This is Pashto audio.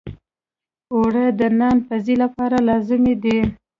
اوړه د نان پزی لپاره لازمي دي